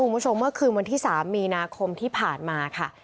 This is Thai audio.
คุณผู้ชมเมื่อคืนวันที่๓มีนาคมที่ผ่านมาค่ะ